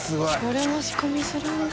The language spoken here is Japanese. これも仕込みするんだ。